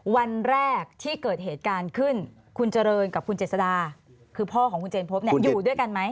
วันแรกที่เกิดเหตุการณ์ขึ้นคุณเจริญกับคุณเจษดาคือพ่อของคุณเจนพบเนี่ยอยู่ด้วยกันไหม